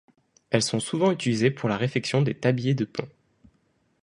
Elles sont souvent utilisées pour la réfection des tabliers de ponts.